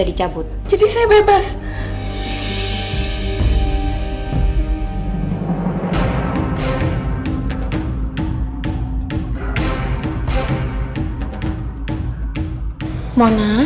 tentangnya dia akan menjauh